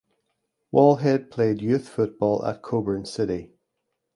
Wallhead played youth football at Cockburn City.